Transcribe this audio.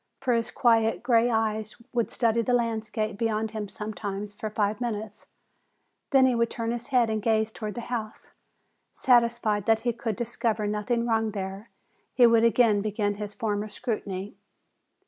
For his quiet gray eyes would study the landscape beyond him sometimes for five minutes, then he would turn his head and gaze toward the house. Satisfied that he could discover nothing wrong there, he would again begin his former scrutiny.